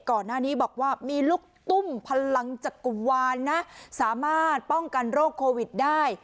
ก่อนหน้านี้บอกว่ามีลูกตุ้มพลังจักรวาลนะสามารถป้องกันโรคโควิดได้